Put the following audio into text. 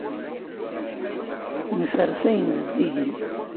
Nferres ayen zeddigen.